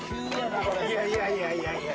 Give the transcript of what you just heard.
いやいやいやいや。